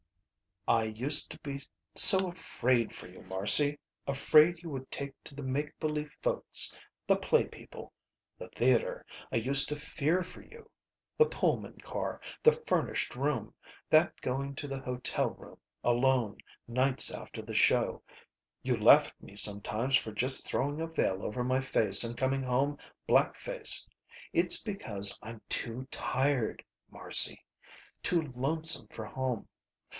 "I used to be so afraid for you, Marcy. Afraid you would take to the make believe folks. The play people. The theater. I used to fear for you! The Pullman car. The furnished room. That going to the hotel room, alone, nights after the show. You laugh at me sometimes for just throwing a veil over my face and coming home black face. It's because I'm too tired, Marcy. Too lonesome for home.